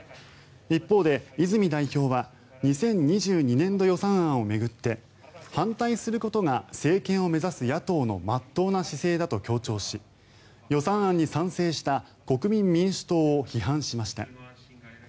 一方で、泉代表は２０２２年度予算案を巡って反対することが政権を目指す野党の真っ当な姿勢だと強調し予算案に賛成した国民民主党を批判しました。